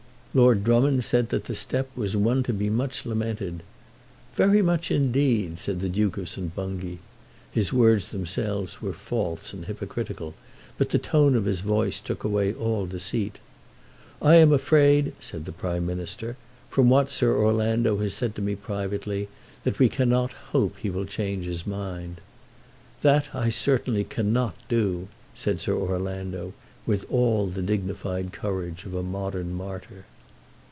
Lord Drummond said that the step was one to be much lamented. "Very much, indeed," said the Duke of St. Bungay. His words themselves were false and hypocritical, but the tone of his voice took away all the deceit. "I am afraid," said the Prime Minister, "from what Sir Orlando has said to me privately, that we cannot hope that he will change his mind." "That I certainly cannot do," said Sir Orlando, with all the dignified courage of a modern martyr.